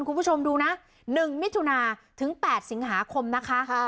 คุณผู้ชมดูนะ๑มิถุนาถึง๘สิงหาคมนะคะ